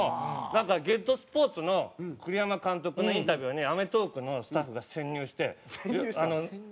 なんか『ＧＥＴＳＰＯＲＴＳ』の栗山監督のインタビューに『アメトーーク』のスタッフが潜入して。